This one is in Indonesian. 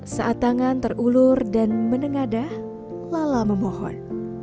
saat tangan terulur dan menengadah lala memohon